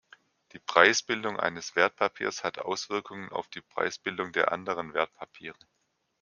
Die Preisbildung eines Wertpapiers hat Auswirkungen auf die Preisbildung der anderen Wertpapiere.